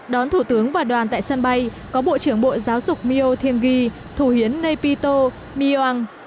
đón thủ tướng và đoàn tại sân bay có bộ trưởng bộ giáo dục myo thiêm ghi thủ hiến naypyitaw myoang